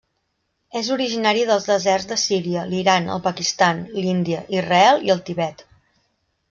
És originari dels deserts de Síria, l'Iran, el Pakistan, l'Índia, Israel i el Tibet.